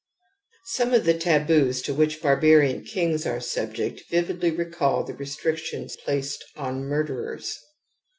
^ Some of the taboos to which barbarian kings are subject vividly recall the restrictions placed on murderers.